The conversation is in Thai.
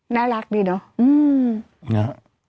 น่ารักดีเนาะ